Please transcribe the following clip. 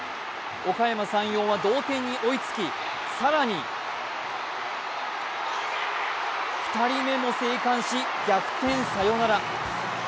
おかやま山陽は同点に追いつき更に、２人目も生還し逆転サヨナラ。